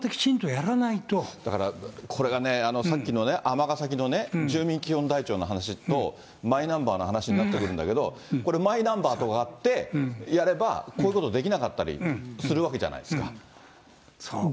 だから、これがね、さっきのね、尼崎のね、住民基本台帳の話と、マイナンバーの話になってくるんだけど、これ、マイナンバーがあってやれば、こういうことできなかったりするわけじゃないですか。